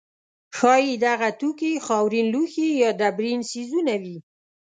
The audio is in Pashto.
ښایي دغه توکي خاورین لوښي یا ډبرین څیزونه وي.